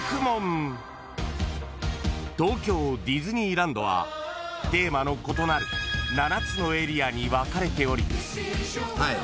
［東京ディズニーランドはテーマの異なる７つのエリアに分かれており］